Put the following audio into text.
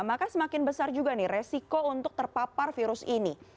maka semakin besar juga nih resiko untuk terpapar virus ini